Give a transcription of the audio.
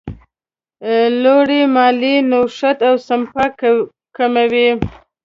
لوړې مالیې نوښت او سپما کموي.